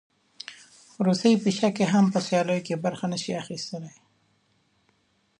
روسۍ پیشکې هم په سیالیو کې برخه نه شي اخیستلی.